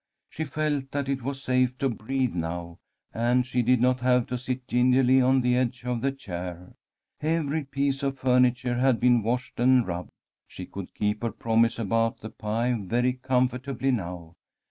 She felt that it was safe to breathe now, and she did not have to sit gingerly on the edge of the chair. Every piece of furniture had been washed and rubbed. She could keep her promise about the pie very comfortably now.